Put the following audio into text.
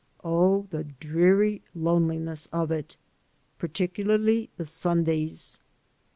Oh, the dreary loneliness of it! Particularly the Sundays.